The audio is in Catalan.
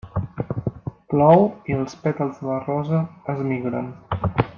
Plou i els pètals de la rosa es migren.